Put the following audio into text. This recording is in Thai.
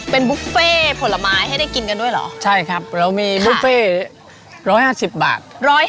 เป็นบุฟเฟ่ผลไม้ให้ได้กินกันด้วยเหรอใช่ครับเรามีบุฟเฟ่๑๕๐บาท